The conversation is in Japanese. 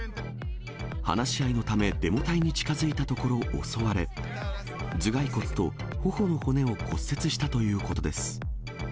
話し合いのため、デモ隊に近づいたところ襲われ、頭蓋骨とほほの骨を骨折したということです。